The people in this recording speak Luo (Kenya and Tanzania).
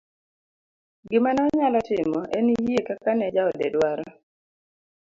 gima ne onyalo timo en yie kaka ne jaode dwaro